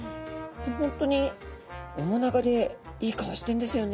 本当に面長でいい顔してるんですよね。